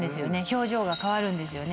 表情が変わるんですよね